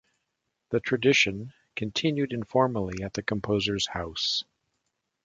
The tradition continued informally at the composer's house.